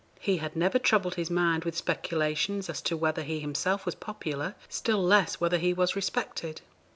He had never troubled his mind with speculations as to whether he himself was popular, still less whether he was respected.